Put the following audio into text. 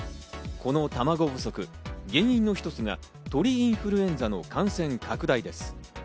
このたまご不足、原因の一つが鳥インフルエンザの感染拡大です。